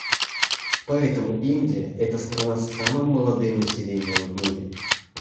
Поэтому Индия — это страна с самым молодым населением в мире.